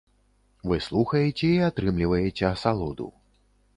Вы слухаеце і атрымліваеце асалоду.